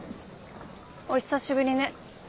お久しぶりね。